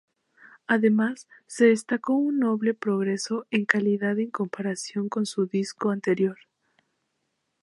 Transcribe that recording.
Además, se destacó un notable progreso en calidad en comparación con su disco anterior.